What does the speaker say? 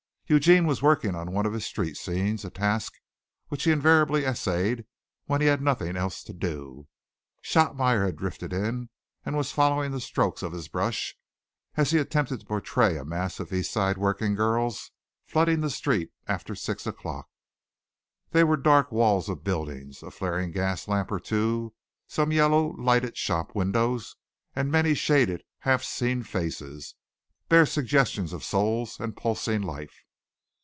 Eugene was working on one of his street scenes a task which he invariably essayed when he had nothing else to do. Shotmeyer had drifted in and was following the strokes of his brush as he attempted to portray a mass of East Side working girls flooding the streets after six o'clock. There were dark walls of buildings, a flaring gas lamp or two, some yellow lighted shop windows, and many shaded, half seen faces bare suggestions of souls and pulsing life.